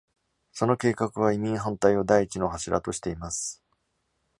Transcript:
その計画は、移民反対を第一の柱としています。